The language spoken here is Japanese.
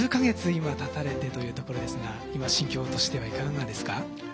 今たたれてというところですが今心境としてはいかがですか？